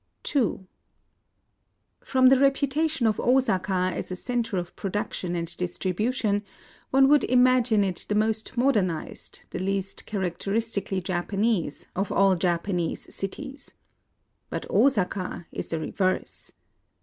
n From the reputation of Osaka as a centre of production and distribution, one would imagine it the most modernized, the least characteristically Japanese, of all Japanese cities. But Osaka is the reverse.